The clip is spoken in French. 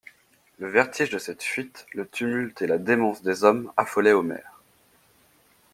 Le vertige de cette fuite, le tumulte et la démence des hommes affolaient Omer.